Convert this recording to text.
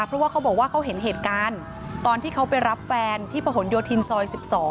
เพราะว่าเขาบอกว่าเขาเห็นเหตุการณ์ตอนที่เขาไปรับแฟนที่ผนโยธินซอย๑๒